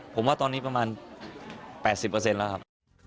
ผมว่าตอนนี้ประมาณ๘๐แล้วครับ